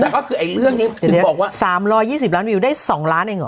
แล้วก็คือไอ้เรื่องนี้ถึงบอกว่า๓๒๐ล้านวิวได้๒ล้านเองเหรอ